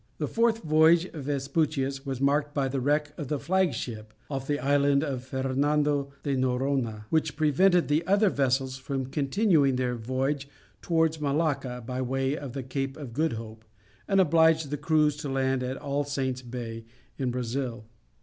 The fourth voyage of Vespucius was marked by the wreck of the flag ship off the Island of Fernando de Noronha, which prevented the other vessels from continuing their voyage towards Malacca by way of the Cape of Good Hope, and obliged the crews to land at All Saints' Bay, in Brazil.